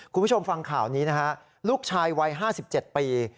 คุณผู้ชมฟังข่าวนี้นะฮะลูกชายวัย๕๗ปี